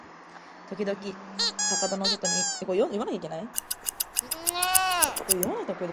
ときどき、板戸の外の廊下に、人の足音がします。寝ずの番の店員たちが、時間をきめて、家中を巡回じゅんかいしているのです。店の大時計が三時を打ちました。